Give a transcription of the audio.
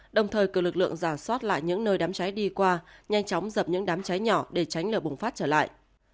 đồng thời cử lực lượng giả soát lại những nơi đám cháy đi qua nhanh chóng dập những đám cháy nhỏ để tránh lửa bùng phát trở lại